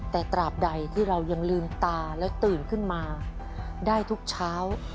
แต่ตราบใดที่เรายังลืมตาแล้วตื่นขึ้นมาได้ทุกเช้า